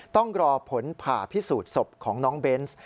ต้องรอผลผ่าพิสูจน์ศพของน้องเบนส์